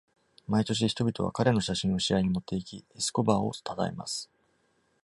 毎年人々は彼の写真を試合に持って行き、エスコバーを称えます。